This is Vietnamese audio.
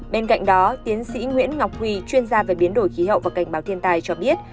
bên cạnh đó tiến sĩ nguyễn ngọc huy chuyên gia về biến đổi khí hậu và cảnh báo thiên tai cho biết